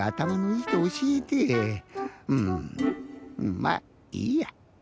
まぁいいや。